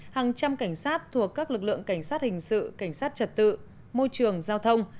hàng trăm cảnh sát thuộc các lực lượng cảnh sát hình sự cảnh sát trật tự môi trường giao thông